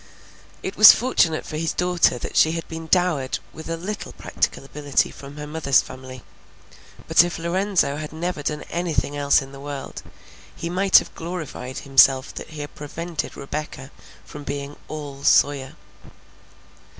It was fortunate for his daughter that she had been dowered with a little practical ability from her mother's family, but if Lorenzo had never done anything else in the world, he might have glorified himself that he had prevented Rebecca from being all Sawyer.